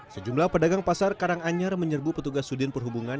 sejumlah pedagang pasar karanganyar menyerbu petugas sudin perhubungan